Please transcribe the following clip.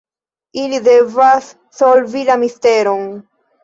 Ili devas solvi la misteron.